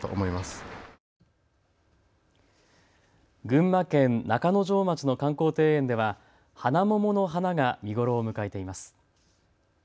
群馬県中之条町の観光庭園ではハナモモの花が見頃を迎えています。